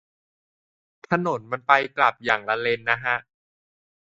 ถนนมันไปกลับอย่างละเลนนะฮะ